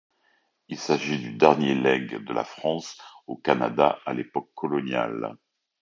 Il s'agit du dernier legs de la France au Canada à l'époque coloniale.